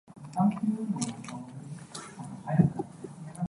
琴晚乜嘢事都冇發生